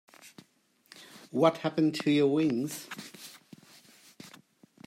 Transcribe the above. What happened to your wings?